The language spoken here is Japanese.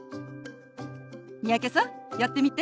三宅さんやってみて。